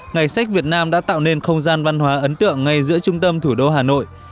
ngày sách việt nam đã tạo nên không gian văn hóa ấn tượng ngay giữa trung tâm thủ đô hà nội